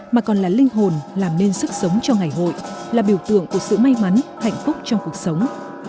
mà còn là linh hồn làm nên sức sống cho ngày hội là biểu tượng của sự may mắn hạnh phúc trong cuộc sống